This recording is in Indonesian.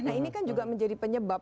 nah ini kan juga menjadi penyebab